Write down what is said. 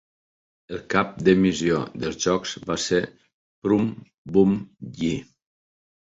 El cap de missió dels jocs va ser Prum Bun Yi.